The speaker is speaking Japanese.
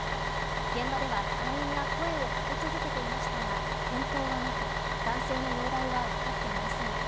現場では隊員が声をかけ続けていましたが、返答はなく男性の容体は分かっていません。